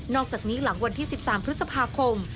อกจากนี้หลังวันที่๑๓พฤษภาคม